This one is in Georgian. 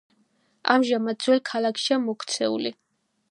ამჟამად ძველ ქალაქშია მოქცეული.